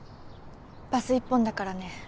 バス一本だからね。